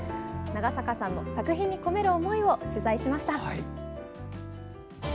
長坂さんの作品に込める思いを取材しました。